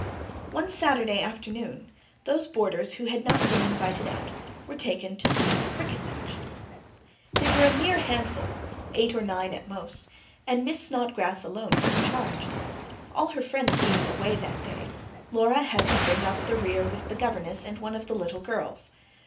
One Saturday afternoon, those boarders who had not been invited out were taken to see a cricket match. They were a mere handful, eight or nine at most, and Miss Snodgrass alone was in charge. All her friends [P.154] being away that day, Laura had to bring up the rear with the governess and one of the little girls.